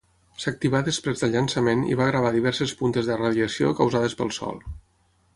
S'activà després del llançament i va gravar diverses puntes de radiació causades pel Sol.